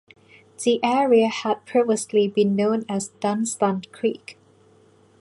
The area had previously been known as Dunstan Creek.